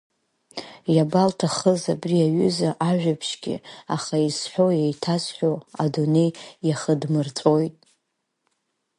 Иабалҭахыз абри аҩыза ажәабжьгьы, аха изҳәо-еиҭазҳәо адунеи иахыдмырҵәои…